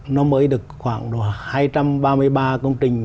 nó mới được khoảng hai trăm ba mươi ba công trình